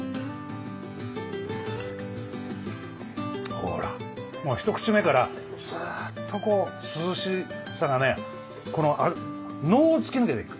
ほらもう一口目からすっとこう涼しさがね脳を突き抜けていく。